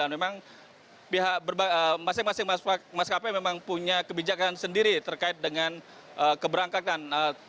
memang pihak masing masing maskapai memang punya kebijakan sendiri terkait dengan keberangkatan